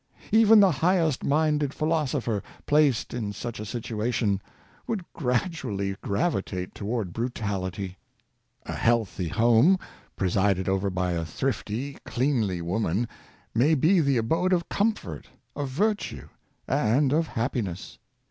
Even the highest minded philosopher, placed in such a situation^ would gradually gravitate toward brutality. 44 Wholesofne Dwellings, A healthy home presided over by a thrifty, cleanly woman, may be the abode of comfort, of virtue and of happiness.